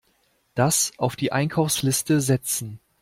Das auf die Einkaufsliste setzen.